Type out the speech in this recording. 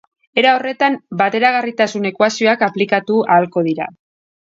Era horretan bateragarritasun ekuazioak aplikatu ahalko dira.